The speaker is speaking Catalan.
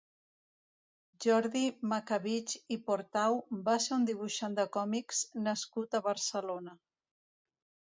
Jordi Macabich i Potau va ser un dibuixant de còmics nascut a Barcelona.